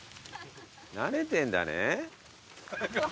慣れてんだね。